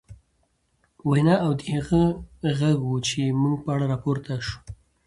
وينا، دا هغه غږ و، چې زموږ په اړه راپورته شو